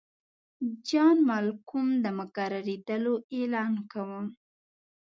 جان مالکم د مقررېدلو اعلان کاوه.